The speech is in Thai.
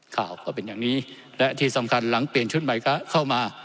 ข่าวก็เป็นอย่างนี้และที่สำคัญหลังเปลี่ยนชุดใหม่ก็เข้ามา